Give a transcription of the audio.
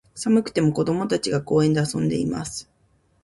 寒くても、子供たちが、公園で遊んでいます。